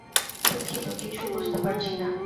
দুঃখিত, কিচ্ছু বুঝতে পারছি না।